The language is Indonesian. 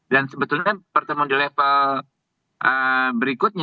dan sebetulnya pertemuan di level berikutnya